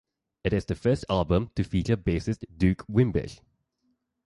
It is the first album to feature bassist Doug Wimbish.